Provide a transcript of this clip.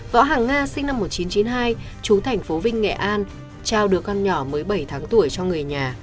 võ hàng nga sinh năm một nghìn chín trăm chín mươi hai chú thành phố vinh nghệ an trao đứa con nhỏ mới bảy tháng tuổi cho người nhà